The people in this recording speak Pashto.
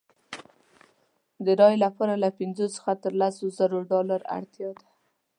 د رایې لپاره له پنځو څخه تر لسو زرو ډالرو اړتیا ده.